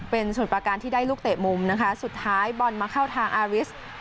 เป็นสมุทรประการที่ได้ลูกเตะมุมนะคะสุดท้ายบอลมาเข้าทางอาริส